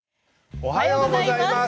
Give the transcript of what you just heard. おはようございます。